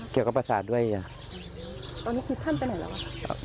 เกี่ยวกับประสาทเเหละใช่ไหมครับ